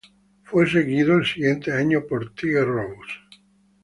Fue seguido el siguiente año por "Tiger Rose".